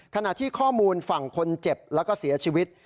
ขณะที่ข้อมูลฝั่งคนเจ็บแล้วก็เสียชีวิต